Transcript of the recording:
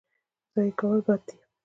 ضایع کول بد دی.